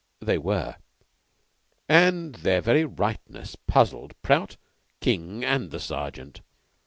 They were, and their very rightness puzzled Prout, King, and the Sergeant.